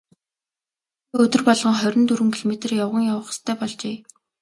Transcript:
Гэхдээ өдөр болгон хорин дөрвөн километр явган явах ёстой болжээ.